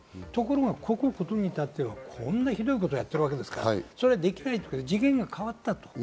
ところが、ことここに至ってはこんなひどいことをやってるわけですから、それはできない、次元が変わった。